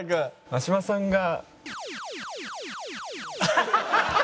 真島さんが。